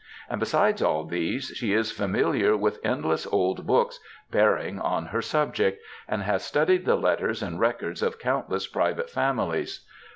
And besides all these, she is familiar with endless old books bearing on her subject, and has studied the letters and records of countless private families.